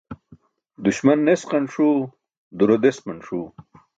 Duśman nesqan ṣuu duro desman ṣuu